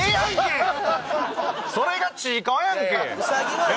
それがちいかわやんけ！